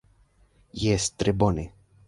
Jes tre bone!